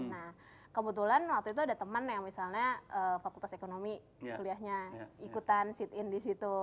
nah kebetulan waktu itu ada teman yang misalnya fakultas ekonomi kuliahnya ikutan sit in di situ